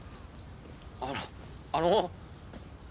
あのあの。